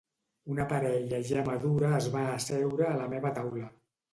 Una parella ja madura es va asseure a la meva taula.